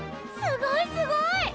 すごいすごい！